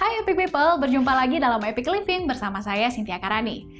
hai epic people berjumpa lagi dalam epic living bersama saya sintiakarani